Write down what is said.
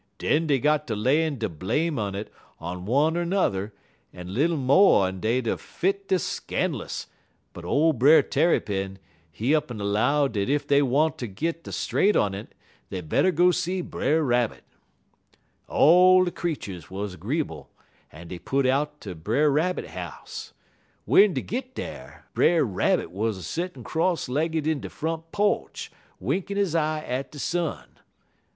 Den dey got ter layin' de blame un it on one er n'er, en little mo' en dey'd er fit dar scan'lous, but ole Brer Tarrypin, he up'n 'low dat ef dey want ter git de straight un it, dey better go see Brer Rabbit. "All de creeturs wuz 'gree'ble, en dey put out ter Brer Rabbit house. W'en dey git dar, Brer Rabbit wuz a settin' cross legged in de front po'ch winkin' he eye at de sun.